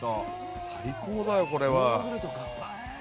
最高だね、これは。